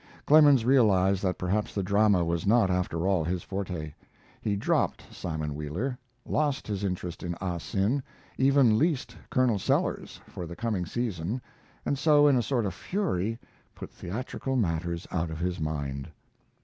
Clemens realized that perhaps the drama was not, after all, his forte; he dropped "Simon Wheeler," lost his interest in "Ah Sin," even leased "Colonel Sellers" for the coming season, and so, in a sort of fury, put theatrical matters out of his mind.